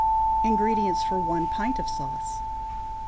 INGREDIENTS FOR ONE PINT OF SAUCE.